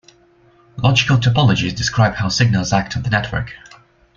Logical topologies describe how signals act on the network.